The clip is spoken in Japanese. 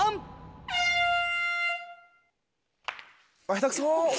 下手くそ！